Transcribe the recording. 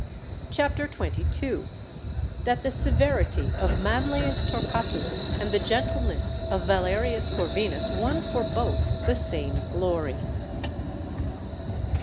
Chapter XXII.—_That the severity of Manlius Torquatus and the gentleness of Valerius Corvinus won for both the same Glory.